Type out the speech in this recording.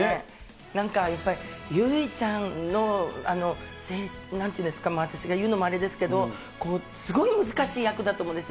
なんかやっぱり、由依ちゃんのなんていうんですか、私が言うのもあれですけど、すごい難しい役だと思うんです。